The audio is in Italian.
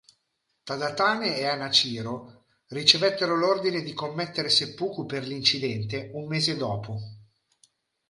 Tadatane e Hanhachiro ricevettero l'ordine di commettere seppuku per l'incidente un mese dopo.